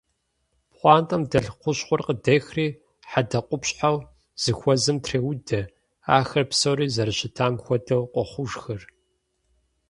Пхъуантэм дэлъ хущхъуэр къыдехри хьэдэкъупщхьэу зыхуэзэм треудэ. Ахэр псори зэрыщытам хуэдэу къохъужхэр.